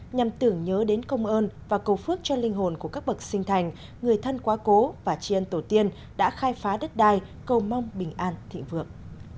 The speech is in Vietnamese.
nhằm tưởng nhớ đến công ơn và cầu phước cho linh hồn của các bậc sinh thành người thân quá cố và chiên tổ tiên đã khai phá đất đai cầu mong bình an thịnh vượng